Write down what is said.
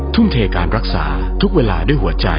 ทุ่มเทการรักษาทุกเวลาด้วยหัวใจ